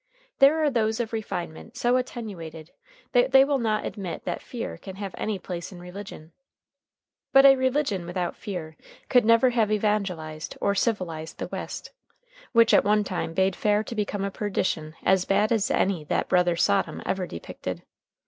There are those of refinement so attenuated that they will not admit that fear can have any place in religion. But a religion without fear could never have evangelized or civilized the West, which at one time bade fair to become a perdition as bad as any that Brother Sodom ever depicted.